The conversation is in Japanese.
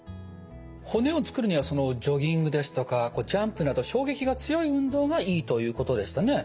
骨をつくるにはジョギングですとかジャンプなど衝撃が強い運動がいいということでしたね。